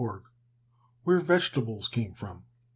] WHERE VEGETABLES CAME FROM.